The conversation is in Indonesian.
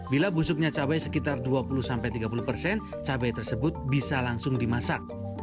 bila busuknya cabai sekitar dua puluh tiga puluh persen cabai tersebut bisa langsung dimasak